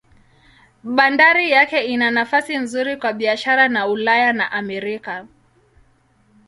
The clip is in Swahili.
Bandari yake ina nafasi nzuri kwa biashara na Ulaya na Amerika.